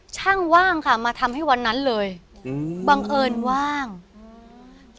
ช่างว่างค่ะมาทำให้วันนั้นเลยอืมบังเอิญว่างอืม